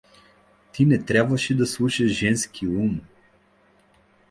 Ти не трябваше да слушаш женски ум.